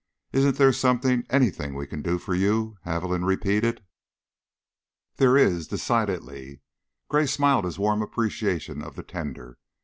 Isn't there something, anything we can do for you?" Haviland repeated. "There is, decidedly." Gray smiled his warm appreciation of the tender.